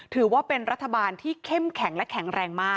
ถือว่าเป็นรัฐบาลที่เข้มแข็งและแข็งแรงมาก